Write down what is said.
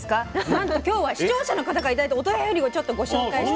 なんと今日は視聴者の方から頂いたお便りをちょっとご紹介したくて。